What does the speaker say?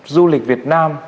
du lịch việt nam